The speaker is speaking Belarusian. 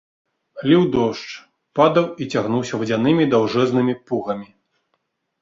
Ліў дождж, падаў і цягнуўся вадзянымі даўжэзнымі пугамі.